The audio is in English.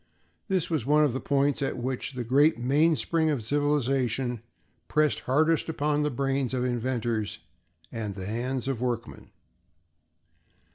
This was one of the points at which the great mainspring of civilization pressed hardest upon the brains of inventors and the hands of workmen.